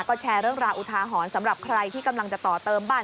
ก็แชร์เรื่องราวอุทาหรณ์สำหรับใครที่กำลังจะต่อเติมบ้าน